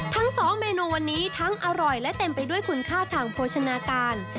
ทั้งสองเมนูวันนี้ทั้งอร่อยและเต็มไปด้วยคุณค่าทางโภชนาการ